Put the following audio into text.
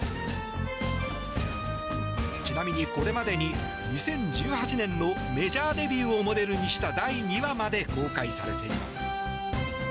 ちなみにこれまでに２０１８年のメジャーデビューをモデルにした第２話まで公開されています。